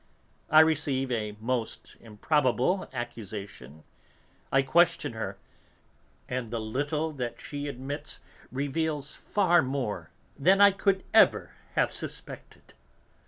I receive a most improbable accusation, I question her, and the little that she admits reveals far more than I could ever have suspected."